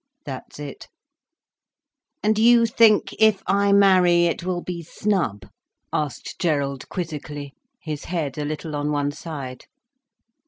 "That's it." "And you think if I marry, it will be snub?" asked Gerald quizzically, his head a little on one side.